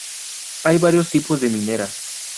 Hay varios tipos de mineras.